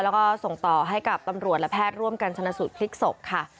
แล้วก็ส่งต่อให้กับตำรวจและแพทย์ร่วมกันชนะสูตรพลิกศพค่ะ